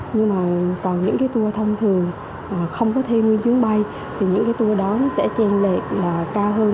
nhưng mà còn những tour thông thường không có thuê nguyên chuyến bay thì những tour đó sẽ chen lệch cao hơn